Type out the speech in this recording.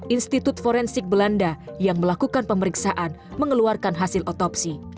institut forensik belanda yang melakukan pemeriksaan mengeluarkan hasil otopsi